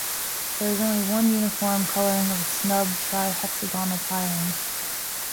There is only one uniform coloring of a snub trihexagonal tiling.